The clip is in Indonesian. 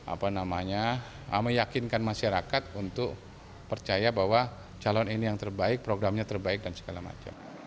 apa namanya meyakinkan masyarakat untuk percaya bahwa calon ini yang terbaik programnya terbaik dan segala macam